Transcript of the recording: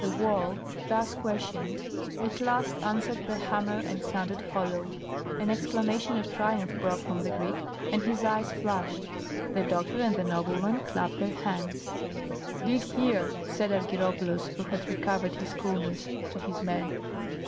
The wall, thus questioned, at last answered the hammer and sounded hollow. An exclamation of triumph broke from the Greek and his eyes flashed; the doctor and the nobleman clapped their hands. "Dig here," said Argyropoulos, who had recovered his coolness, to his men.